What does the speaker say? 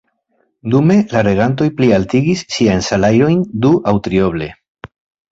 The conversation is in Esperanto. Dume la regantoj plialtigis siajn salajrojn du- aŭ trioble!